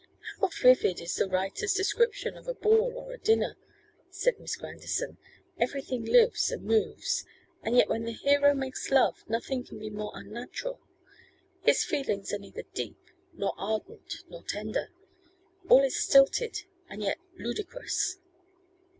'How vivid is the writer's description of a ball or a dinner,' said Miss Grandison; 'everything lives and moves. And yet, when the hero makes love, nothing can be more unnatural. His feelings are neither deep, nor ardent, nor tender. All is stilted, and yet ludicrous.